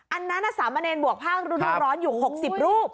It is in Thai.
อันนั้น๓มันเอนบวกภาพรุ่งร้อนอยู่๖๐รูป